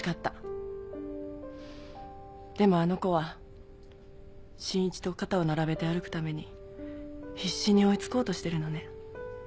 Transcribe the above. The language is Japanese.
でもあの子は真一と肩を並べて歩くために必死に追いつこうとしてるのね。